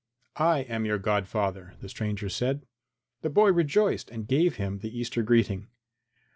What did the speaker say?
"I am your godfather," the stranger said. The boy rejoiced and gave him the Easter greeting.